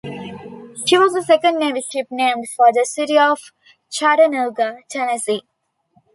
She was the second Navy ship named for the city of Chattanooga, Tennessee.